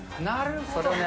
なるほど。